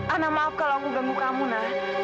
ana maaf kalau aku ganggu kamu nak